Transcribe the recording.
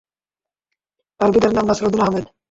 তার পিতার নাম নাসির উদ্দিন আহমেদ।